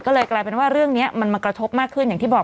ก็เลยกลายเป็นว่าเรื่องนี้มันมากระทบมากขึ้นอย่างที่บอก